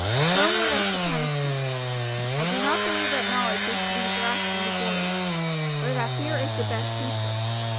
"One word as to punishments. I do not believe that knowledge is to be thrashed into boys, or that fear is the best teacher.